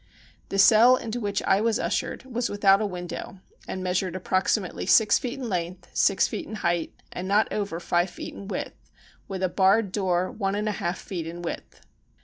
The cell into which I was ustered was without a window and measured approximately six feet in length, six feet in height, and not over five feet in width with a barred door one and a half feet in width.